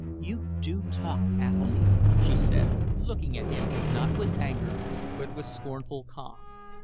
"You do talk, Athelny," she said, looking at him, not with anger but with scornful calm.